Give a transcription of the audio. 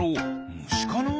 むしかなあ？